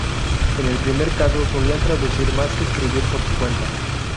En el primer caso, solía traducir más que escribir por su cuenta.